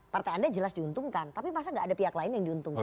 partai anda jelas diuntungkan tapi masa gak ada pihak lain yang diuntungkan